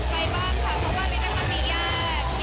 เพราะว่าเลยน่าจะมีญาติ